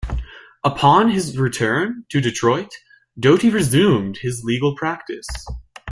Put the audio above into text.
Upon his return to Detroit, Doty resumed his legal practice.